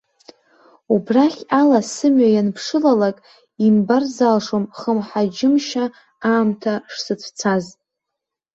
Убрахь ала сымҩа ианԥшылалак имбар залшом хымҳаџьымшьа аамҭа шсыцәцаз!